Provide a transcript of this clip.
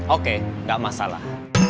oke gak masalah